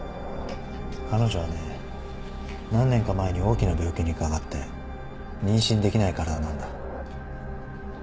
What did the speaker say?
彼女はね何年か前に大きな病気にかかって妊娠できない体なんだ。